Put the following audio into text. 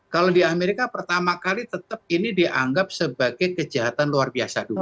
kalau di amerika pertama kali tetap ini dianggap sebagai kejahatan luar biasa dulu